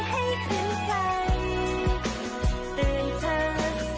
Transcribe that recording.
พอได้แล้วค่ะซิสหยุดคิดถึงคนใจร้ายอย่างเขาสักที